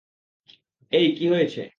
এই কী হয়েছে?